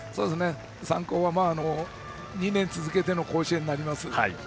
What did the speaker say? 三高は２年続けての甲子園になります。